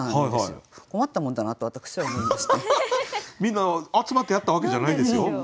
皆集まってやったわけじゃないですよ。